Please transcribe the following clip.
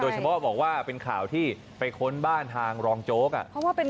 โดยเฉพาะบอกว่าเป็นข่าวที่ไปค้นบ้านทางรองโจ๊กอ่ะเพราะว่าเป็น